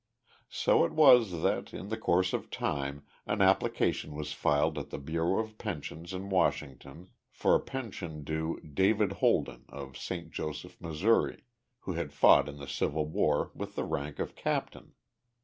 So it was that, in the course of time, an application was filed at the Bureau of Pensions in Washington for a pension due "David Holden" of Saint Joseph, Missouri, who had fought in the Civil War with the rank of captain.